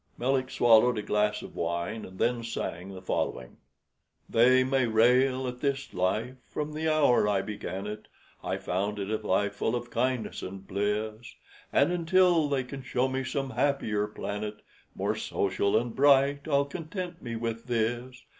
Melick swallowed a glass of wine and then sang the following: "'They may rail at this life: from the hour I began it I found it a life full of kindness and bliss, And until they can show me some happier planet, More social and bright, I'll content me with this.